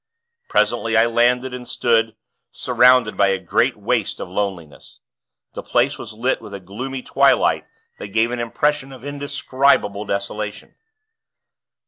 Presently, I landed, and stood, surrounded by a great waste of loneliness. The place was lit with a gloomy twilight that gave an impression of indescribable desolation.